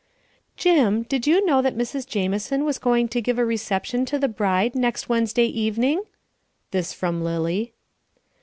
"Jim, did you know that Mrs. Jamison was going to give a reception to the bride next Wednesday evening?" This from Lily.